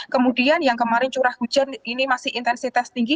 kemudian yang kemarin curah hujan ini masih intensitas tinggi